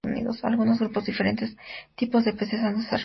Algunos grupos diferentes tipos de peces han desarrollado cuidado parental.